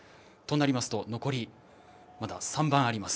残り３番あります。